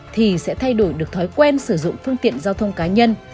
thì sẽ thay đổi được thói quen sử dụng phương tiện giao thông cá nhân